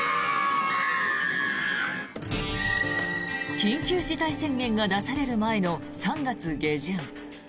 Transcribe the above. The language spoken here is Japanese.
緊急事態宣言が出される前の３月下旬。